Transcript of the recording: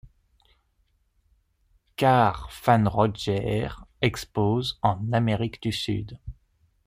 Car Van Rogger expose en Amérique du Sud.